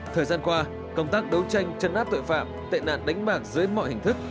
thời gian qua công tác đấu tranh chấn áp tội phạm tệ nạn đánh bạc dưới mọi hình thức